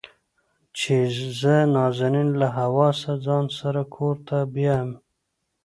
چې زه نازنين له حواسه ځان سره کور ته نه بيايم.